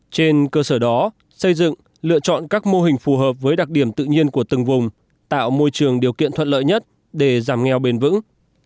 trên cơ sở đó xây dựng lựa chọn các mô hình phù hợp với đặc điểm tự nhiên của từng vùng tạo môi trường điều kiện thuận lợi nhất để giảm nghèo bền vững